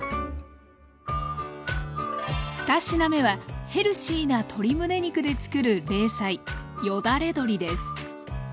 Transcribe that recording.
２品目はヘルシーな鶏むね肉でつくる冷菜よだれ鶏です。